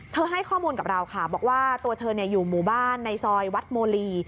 ให้ข้อมูลกับเราค่ะบอกว่าตัวเธออยู่หมู่บ้านในซอยวัดโมลี